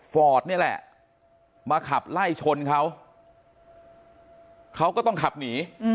ฟอร์ดนี่แหละมาขับไล่ชนเขาเขาก็ต้องขับหนี